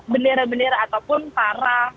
bendera bendera ataupun para